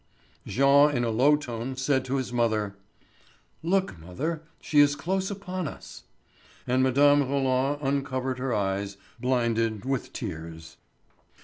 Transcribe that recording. Jean in a low tone said to his mother: "Look, mother, she is close upon us!" And Mme. Roland uncovered her eyes, blinded with tears.